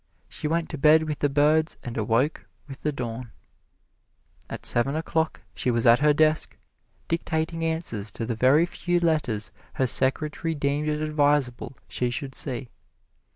She went to bed with the birds and awoke with the dawn. At seven o'clock she was at her desk, dictating answers to the very few letters her secretary deemed it advisable she should see.